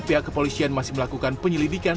pihak kepolisian masih melakukan penyelidikan